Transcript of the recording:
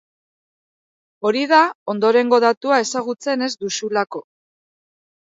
Hori da ondorengo datua ezagutzen ez duzulako.